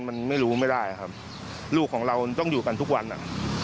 มันไม่รู้ไม่ได้ครับลูกของเราต้องอยู่กันทุกวันอ่ะ